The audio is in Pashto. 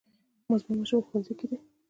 زما ماشوم ښوونځي کې دی